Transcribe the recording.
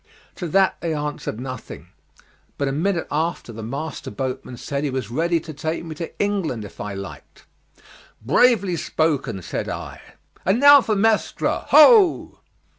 To that they answered nothing, but a minute after the master boatman said he was ready to take me to England if I liked. "Bravely spoken," said I, "and now for Mestre, ho!"